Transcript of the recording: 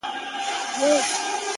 لـكــه دی لـــونــــــگ